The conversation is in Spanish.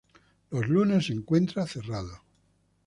Los lunes se encuentra cerrado.